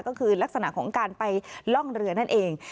ก็คือลักษณะของการไปล่องเรือนั่นเอง